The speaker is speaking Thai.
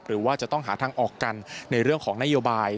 หรือว่าจะต้องหาทางออกกันในเรื่องของนโยบาย